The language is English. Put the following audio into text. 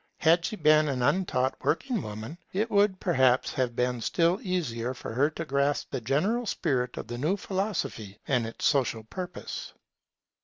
Had she been an untaught working woman, it would perhaps have been still easier for her to grasp the general spirit of the new philosophy and its social purpose.